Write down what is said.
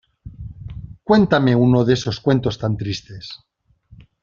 ¡Cuéntame uno de esos cuentos tan tristes!